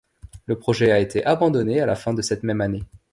Le projet a été abandonné à la fin de cette même année.